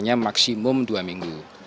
hanya maksimum dua minggu